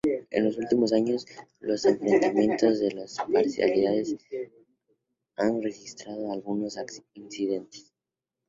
En los últimos años, los enfrentamientos de las parcialidades han registrado algunos incidentes.